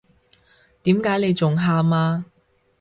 點解你仲喊呀？